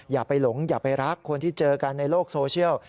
อย่าไปหลงอย่าไปรักคนที่เจอกันในโลกโซเชียล